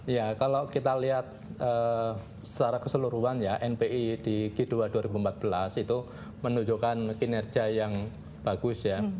ya kalau kita lihat secara keseluruhan ya npi di g dua dua ribu empat belas itu menunjukkan kinerja yang bagus ya